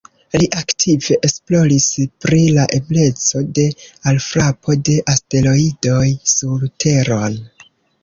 Li aktive esploris pri la ebleco de alfrapo de asteroidoj sur Teron.